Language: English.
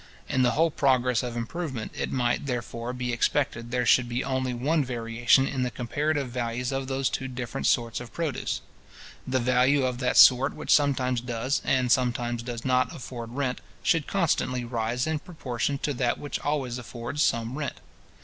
In the whole progress of improvement, it might, therefore, be expected there should be only one variation in the comparative values of those two different sorts of produce. The value of that sort which sometimes does, and sometimes does not afford rent, should constantly rise in proportion to that which always affords some rent.